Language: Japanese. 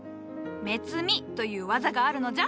芽摘みという技があるのじゃ。